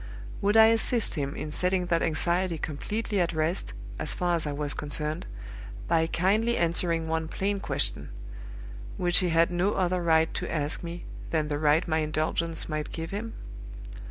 Would I assist him in setting that anxiety completely at rest, as far as I was concerned, by kindly answering one plain question which he had no other right to ask me than the right my indulgence might give him?